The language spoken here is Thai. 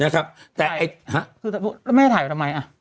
แล้วแม่ถ่ายไว้ทำไม